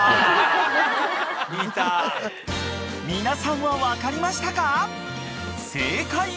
［皆さんは分かりましたか？］